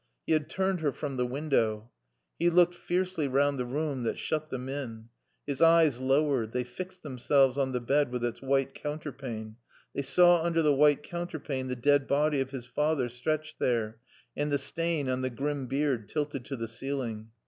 He had turned her from the window. He looked fiercely round the room that shut them in. His eyes lowered; they fixed themselves on the bed with its white counterpane. They saw under the white counterpane the dead body of his father stretched there, and the stain on the grim beard tilted to the ceiling.